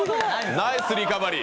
ナイスリカバリー。